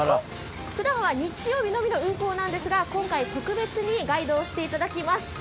ふだんは日曜日のみの運行ですが今回、特別にガイドをしていただきます。